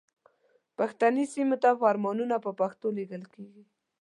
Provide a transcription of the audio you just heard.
پښتني سیمو ته فرمانونه په پښتو لیږل کیږي.